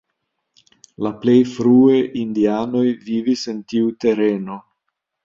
La plej frue indianoj vivis en tiu tereno.